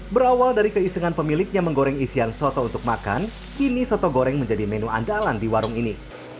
berawal dari keisengan pemiliknya menggoreng isian soto untuk makan kini soto goreng menjadi menu andalan di warung ini